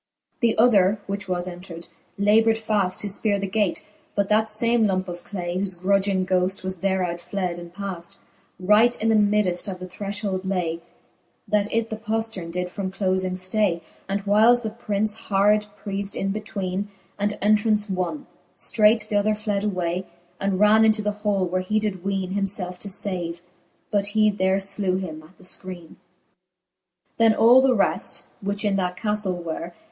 XXXVIL The other, which was entred, laboured faft: To fperre the gate; but that fame lumpe of clay, Whofe grudging ghoft was thereout fled and paft j R ight in the middeft: of the thrcfhold lay, That it the poft:erne did from doling ftay : The whiles the Prince hard preafed in betweene, And entraunce wonne. Streight th'other fled away> And ran into the hall, where he did weene Himielfe to fave : but he there flew him at the fkreene. XXXVIII. Then all the reft, which in that caftle were.